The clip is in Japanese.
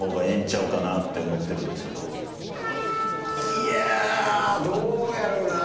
いやどうやろな。